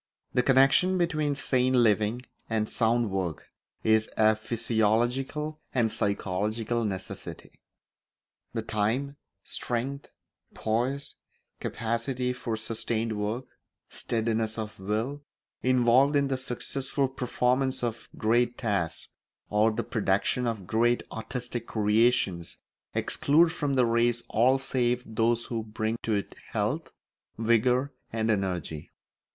The connection between sane living and sound work is a physiological and psychological necessity. The time, strength, poise, capacity for sustained work, steadiness of will, involved in the successful performance of great tasks or the production of great artistic creations exclude from the race all save those who bring to it health, vigour, and energy.